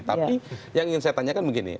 tapi yang ingin saya tanyakan begini